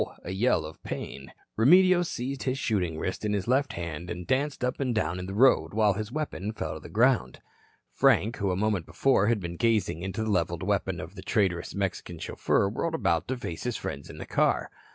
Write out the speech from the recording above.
A yell of pain. Remedios seized his shooting wrist in his left hand and danced up and down in the road, while his weapon fell to the ground. Frank, who a moment before had been gazing into the leveled weapon of the traitorous Mexican chauffeur, whirled about to face his friends in the car.